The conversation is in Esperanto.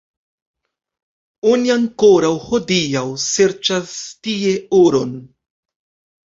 Oni ankoraŭ hodiaŭ serĉas tie oron.